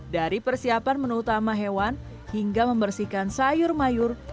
dari persiapan menu utama hewan hingga membersihkan sayur mayur